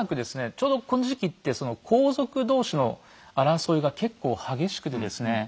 ちょうどこの時期って皇族同士の争いが結構激しくてですね